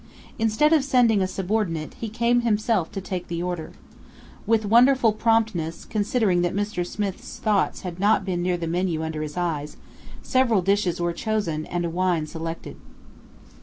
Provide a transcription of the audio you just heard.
Instead of sending a subordinate, he came himself to take the order. With wonderful promptness, considering that Mr. Smith's thoughts had not been near the menu under his eyes, several dishes were chosen and a wine selected.